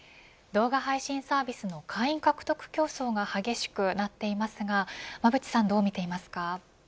動画配信サービスの会員獲得競争が激しくなっていますが馬渕さんどうみていますか。